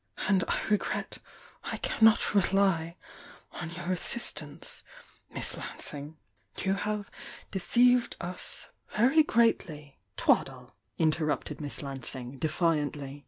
"And I regret I cannot rely on your assistance, MiM Lansing! You have deceived us very greatly FJi' >}>, THE YOUNG DIANA 858 'Twaddle!" interrupted Miss Lansing, defiantly.